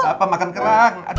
bapak makan kerang